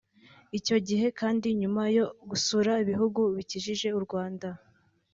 Icyo gihe kandi nyuma yo gusura ibihugu bikikije u Rwanda